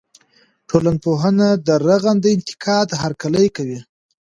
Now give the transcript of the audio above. ټولنپوهنه د رغنده انتقاد هرکلی کوي.